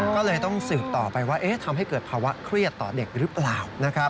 ก็เลยต้องสืบต่อไปว่าทำให้เกิดภาวะเครียดต่อเด็กหรือเปล่า